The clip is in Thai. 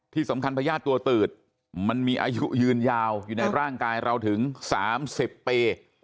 ที่สำคัญพญาติตัวตืดมันมีอายุยืนยาวอยู่ในร่างกายเราถึง๓๐ปี